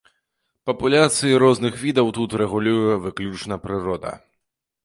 Папуляцыі розных відаў тут рэгулюе выключна прырода.